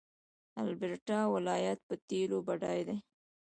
د البرټا ولایت په تیلو بډایه دی.